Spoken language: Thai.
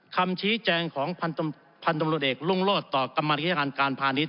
คำชี้แจงของพันธมรวดเอกลุงโลศต่อกรรมการพาณิชย์